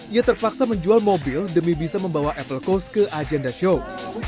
ia terpaksa menjual mobil demi bisa membawa apple coast ke agenda show